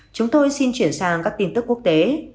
chúng tôi xin chuyển sang các tin tức quốc tế